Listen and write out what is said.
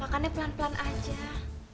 makannya pelan pelan aja